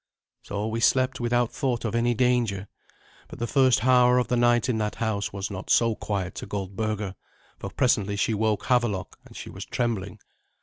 So we slept without thought of any danger; but the first hour of the night in that house was not so quiet to Goldberga, for presently she woke Havelok, and she was trembling.